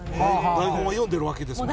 台本を読んでるわけですからね。